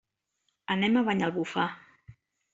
Anem a Banyalbufar.